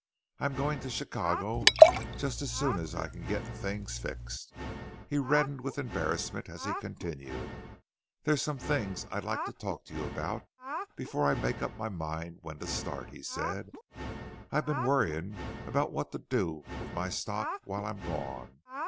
"I'm going to Chicago just as soon as I can get things fixed." He reddened with embarrassment as he continued: "There's some things that I'd like to talk to you about before I make up my mind when to start," he said; "I've been worrying about what to do with my stock while I'm gone.